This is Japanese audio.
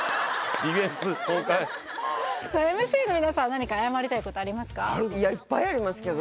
ディフェンス崩壊ＭＣの皆さん何かいやいっぱいありますけど